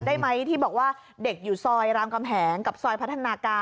ได้ไหมที่บอกว่าเด็กอยู่ซอยรามกำแหงกับซอยพัฒนาการ